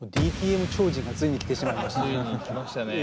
ＤＴＭ超人がついに来てしまいましたね。